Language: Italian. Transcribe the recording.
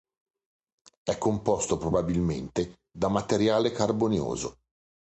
È composto probabilmente da materiale carbonioso.